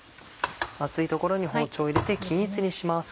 厚い所に包丁を入れて均一にします。